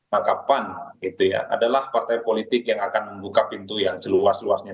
maka pan adalah partai politik yang akan membuka pintu yang seluas luasnya